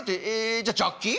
じゃジャッキー？